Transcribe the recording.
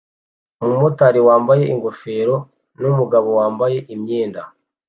Umumotari wambaye ingofero numugabo wambaye imyenda